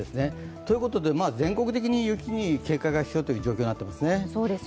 ということで、全国的に雪に警戒が必要という状況になっています。